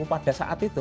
pada saat itu